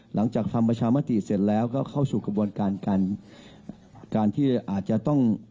หลังจากทำประชามติเสร็จแล้วก็เข้าสู่กระบวนการการที่อาจจะต้อง